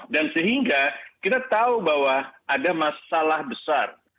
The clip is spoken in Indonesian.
dan sehingga kita tahu bahwa ada masalah besar